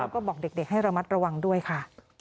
ก็บอกเด็กให้ระมัดระวังด้วยค่ะ